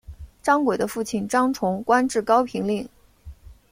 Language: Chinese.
张轨的父亲张崇官至高平令。